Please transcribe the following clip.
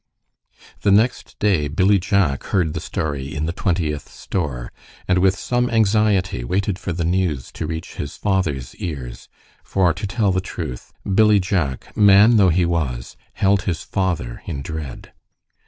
The next day Billy Jack heard the story in the Twentieth store, and with some anxiety waited for the news to reach his father's ears, for to tell the truth, Billy Jack, man though he was, held his father in dread.